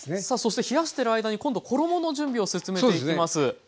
さあそして冷やしている間に今度衣の準備を説明していきます。